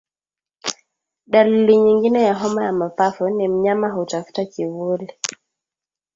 Dalili nyingine ya homa ya mapafu ni mnyama hutafuta kivuli